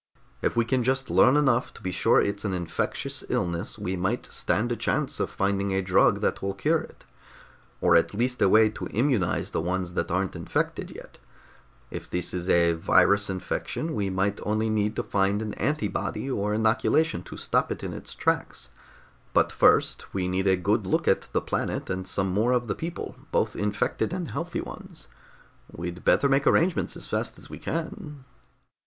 "If we can just learn enough to be sure it's an infectious illness, we might stand a chance of finding a drug that will cure it. Or at least a way to immunize the ones that aren't infected yet. If this is a virus infection, we might only need to find an antibody for inoculation to stop it in its tracks. But first we need a good look at the planet and some more of the people both infected and healthy ones. We'd better make arrangements as fast as we can."